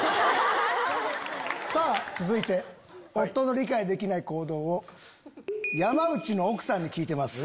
さぁ続いて夫の理解できない行動を山内の奥さんに聞いてます。